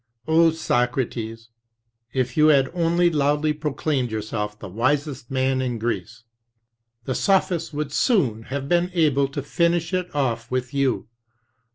"O Socrates! If you had only loudly proclaimed yourself the wisest man in Greece, the sophists would soon have been able to finish it off with you